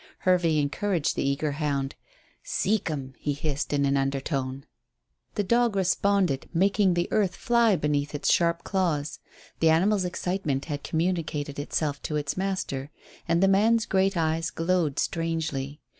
Hervey encouraged the eager hound. "See ek 'em," he hissed, in an undertone. The dog responded, making the earth fly beneath its sharp claws. The animal's excitement had communicated itself to its master, and the man's great eyes glowed strangely.